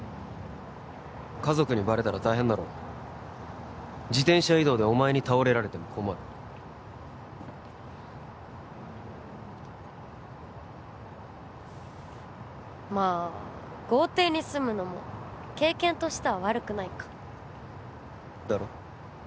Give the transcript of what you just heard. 家族にバレたら大変だろ自転車移動でお前に倒れられても困るまあ豪邸に住むのも経験としては悪くないかだろ？